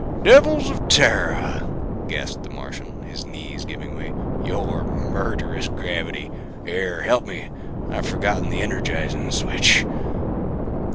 "Devils of Terra!" gasped the Martian, his knees giving way, " your murderous gravity! Here, help me. I've forgotten the energizing switch."